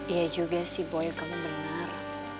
iya juga sih boy kamu benar